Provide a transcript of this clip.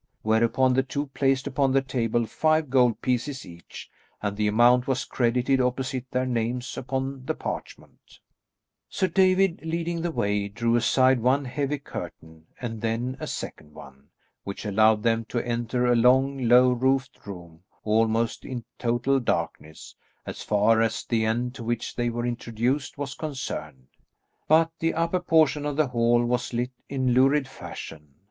Whereupon the two placed upon the table five gold pieces each, and the amount was credited opposite their names upon the parchment. [Illustration: "THE FIGURE OF A TALL MAN."] Sir David, leading the way, drew aside one heavy curtain and then a second one, which allowed them to enter a long low roofed room almost in total darkness, as far as the end to which they were introduced was concerned; but the upper portion of the hall was lit in lurid fashion.